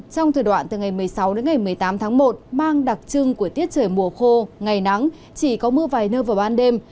khoảng từ ngày một mươi sáu một mươi tám tháng một mang đặc trưng của tiết trời mùa khô ngày nắng chỉ có mưa vài nơi vào ban đêm